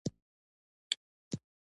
کافره، فریب کاره او زلفې یې پر اوږه.